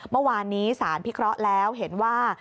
เมื่อวานนี้สารพิเคราะห์แล้วเห็นว่า